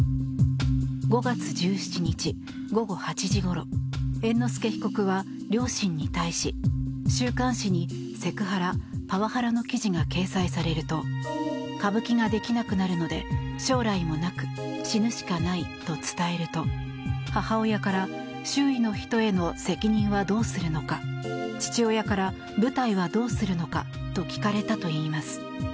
５月１７日、午後８時ごろ猿之助被告は両親に対し週刊誌にセクハラ、パワハラの記事が掲載されると歌舞伎ができなくなるので将来もなく死ぬしかないと伝えると母親から周囲の人への責任はどうするのか父親から、舞台はどうするのかと聞かれたといいます。